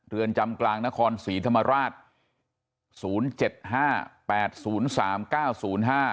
เรือนจำกลางนครศรีธรรมราชศูนย์เจ็ดห้าแปดศูนย์สามเก้าศูนย์ห้า